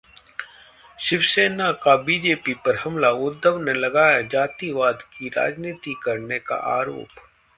शिवसेना का बीजेपी पर हमला, उद्धव ने लगाया जातिवाद की राजनीति करने का आरोप